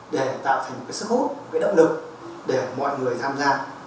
để tạo thành một cái sức hút cái động lực để mọi người tham gia